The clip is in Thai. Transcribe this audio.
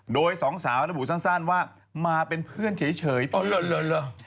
โดยสองสาวระบุสั้นว่ามาเป็นเพื่อนเฉย